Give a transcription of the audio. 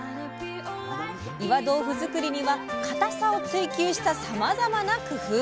岩豆腐作りには固さを追求したさまざまな工夫が！